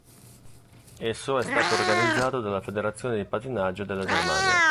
Esso è stato organizzato dalla Federazione di pattinaggio della Germania.